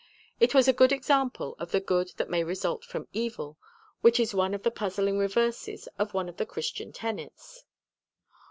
It was a very good example of the good that may result from evil, which is one of the puzzling reverses of one of the Christian tenets.